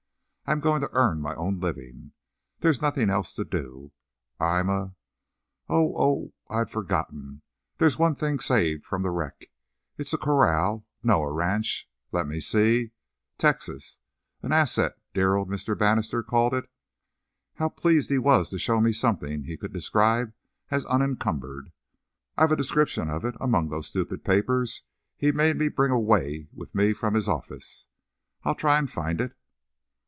I'm going to earn my own living. There's nothing else to do. I'm a—Oh, oh, oh!—I had forgotten. There's one thing saved from the wreck. It's a corral—no, a ranch in—let me see—Texas: an asset, dear old Mr. Bannister called it. How pleased he was to show me something he could describe as unencumbered! I've a description of it among those stupid papers he made me bring away with me from his office. I'll try to find it."